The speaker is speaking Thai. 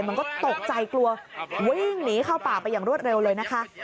มันก็ตกใจกลัววิ่งหนีเข้าป่าไปอย่างรวดเร็วเลยนะคะ